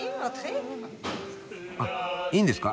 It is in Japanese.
あっいいんですか？